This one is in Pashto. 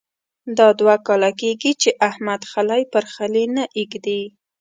دا دوه کاله کېږې چې احمد خلی پر خلي نه اېږدي.